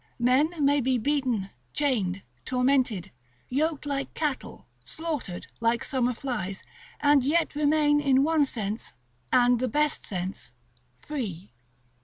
Men may be beaten, chained, tormented, yoked like cattle, slaughtered like summer flies, and yet remain in one sense, and the best sense, free.